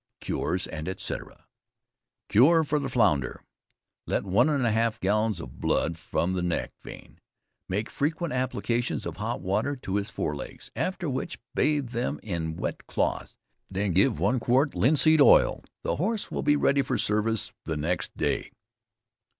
CURES, &C. Cure for the Founder. Let 1 1/2 gallons of blood from the neck vein, make frequent applications of hot water to his forelegs; after which, bathe them in wet cloths, then give one quart Linseed Oil. The horse will be ready for service the next day.